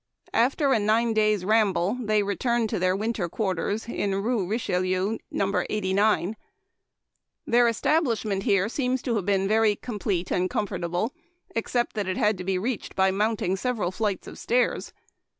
After a nine days' ramble they returned to their winter quarters in Rue Richelieu, No. 89. Their establishment here seems to have been very complete and comfortable, except that it had to be reached by mounting several flights 152 Memoir of Washington Irving. of stairs.